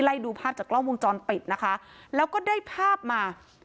ดูภาพจากกล้องวงจรปิดนะคะแล้วก็ได้ภาพมา